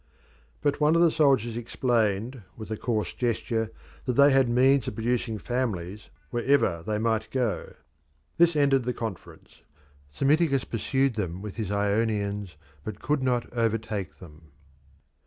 But one of the soldiers explained, with a coarse gesture, that they had the means of producing families wherever they might go. This ended the conference. Psammiticus pursued them with his Ionians, but could not overtake them.